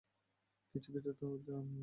কিছু-কিছু তো জান বলেই মনে হচ্ছে।